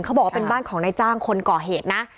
บอกว่าเป็นบ้านของนายจ้างคนก่อเหตุนะ